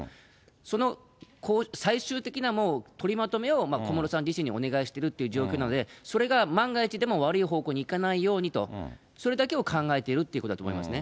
その最終的な取りまとめを小室さん自身にお願いしてるという状況なので、それが万が一でも悪い方向に行かないようにと、それだけを考えているということだと思いますね。